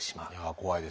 怖いですね。